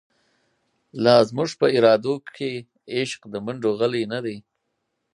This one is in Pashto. لازموږ په ارادوکی، عشق دمنډوغلی نه دی